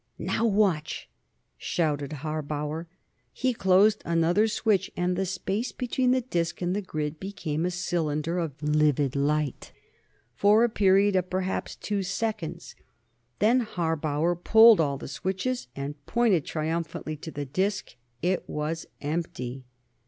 "Now watch!" shouted Harbauer. He closed another switch, and the space between the disc and the grid became a cylinder of livid light, for a period of perhaps two seconds. Then Harbauer pulled all the switches, and pointed triumphantly to the disc. It was empty.